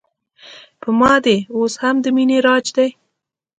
په ما دې اوس هم د مینې راج دی